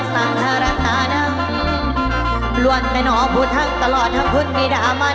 ตอนย้อนจ้าตอนย้อนจ้าตอนย้อนตอนย้อนตอนย้อน